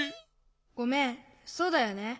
ごめんそうだよね。